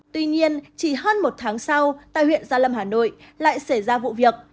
tuy nhiên chỉ hơn một tháng sau tại huyện gia lâm hà nội lại xảy ra vụ việc